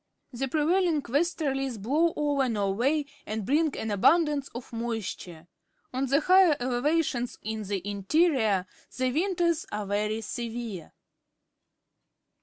The prevailing westerlies blow over Norway and bring an abundance of moisture. On the higher elevations in the interior the winters are very severe.